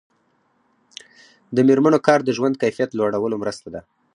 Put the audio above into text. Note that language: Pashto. د میرمنو کار د ژوند کیفیت لوړولو مرسته ده.